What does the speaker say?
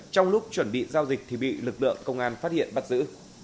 trong lúc chuẩn bị giao dịch thì bị lực lượng công an phát hiện bắt giữ